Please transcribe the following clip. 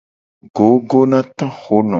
Gogo na tohono.